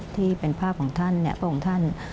ที่เป็นภาพของท่านพระองค์ท่าน